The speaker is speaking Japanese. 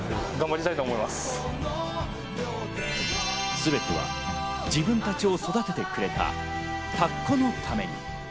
すべては自分たちを育ててくれた田子のために。